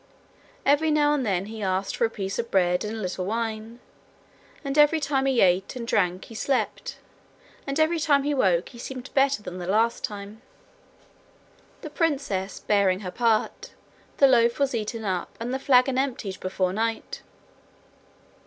Every now and then he asked for a piece of bread and a little wine, and every time he ate and drank he slept, and every time he woke he seemed better than the last time. The princess bearing her part, the loaf was eaten up and the flagon emptied before night.